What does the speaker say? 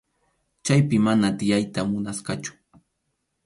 Chaypi mana tiyayta munasqachu.